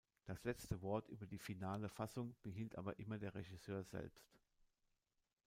Das letzte Wort über die finale Fassung behielt aber immer der Regisseur selbst.